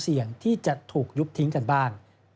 ซึ่งกลางปีนี้ผลการประเมินการทำงานขององค์การมหาชนปี๒ประสิทธิภาพสูงสุด